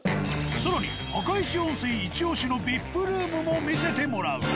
更に赤石温泉いち押しのＶＩＰルームも見せてもらう。